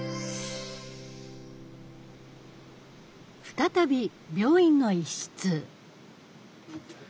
再び病院の一室。